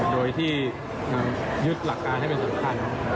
โดยที่ยึดหลักการให้เป็นสำคัญ